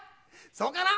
そうかな？